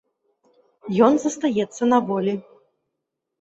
Ён застаецца на волі.